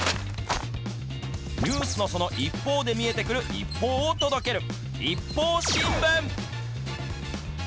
ニュースのその一方で見えてくる一報を届ける、ＩＰＰＯＵ新聞。